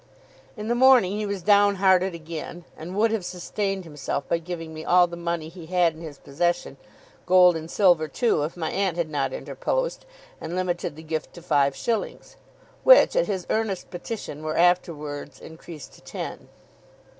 In the morning he was downhearted again, and would have sustained himself by giving me all the money he had in his possession, gold and silver too, if my aunt had not interposed, and limited the gift to five shillings, which, at his earnest petition, were afterwards increased to ten.